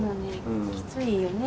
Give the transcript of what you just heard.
きついよね。